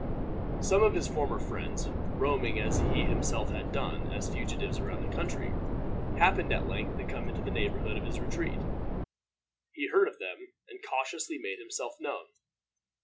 Some of his former friends, roaming as he himself had done, as fugitives about the country, happened at length to come into the neighborhood of his retreat. He heard of them, and cautiously made himself known.